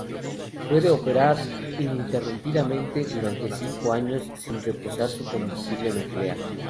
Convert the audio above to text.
Puede operar ininterrumpidamente durante cinco años sin repostar su combustible nuclear.